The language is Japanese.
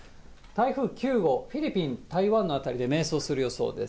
台風９号、フィリピン、台湾の辺りで迷走する予想です。